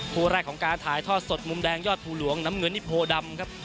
คู่แรกของการถ่ายทอดสดมุมแดงยอดภูหลวงน้ำเงินนี่โพดำครับ